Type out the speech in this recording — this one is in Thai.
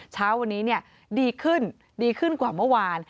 เช้าวันนี้ดีขึ้นดีขึ้นกว่าเมื่อวาน